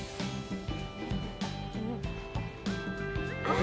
あ！